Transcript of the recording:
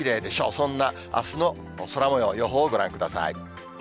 そんなあすの空もよう、予報をご覧ください。